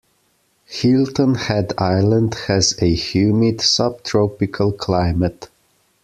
Hilton Head Island has a humid subtropical climate.